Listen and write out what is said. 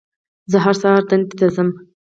زه هر سهار دندې ته ځم